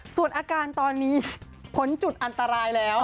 ส่วนอาการตอนนี้ผลจุดอันตรายแล้ว